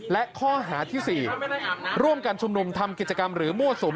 และข้อหาที่๔ร่วมกันชุมนุมทำกิจกรรมหรือมั่วสุม